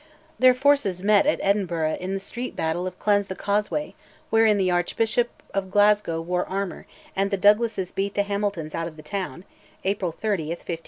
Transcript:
Their forces met at Edinburgh in the street battle of "Cleanse the Causeway," wherein the Archbishop of Glasgow wore armour, and the Douglases beat the Hamiltons out of the town (April 30, 1520).